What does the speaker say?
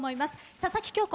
佐々木恭子